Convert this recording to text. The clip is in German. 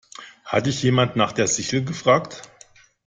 Hat dich jemand nach der Sichel gefragt?